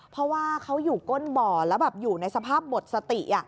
เพราะว่าเขาอยู่ก้นบ่อแล้วแบบอยู่ในสภาพหมดสติ